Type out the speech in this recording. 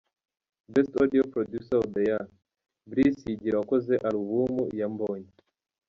Best Audio Producer of the year: Bris Higiro wakoze alubum ya Mbonyi.